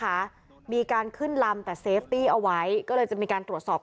ว่ามีการบุกลุกในยามวิการ